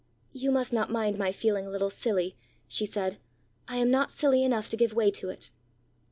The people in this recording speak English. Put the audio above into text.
"You must not mind my feeling a little silly," she said. "I am not silly enough to give way to it."